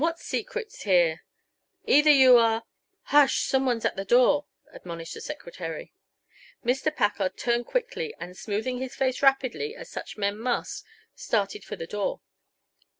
What secret's here? Either you are " "Hush! some one's at the door!" admonished the secretary. Mr. Packard turned quickly, and, smoothing his face rapidly, as such men must, started for the door.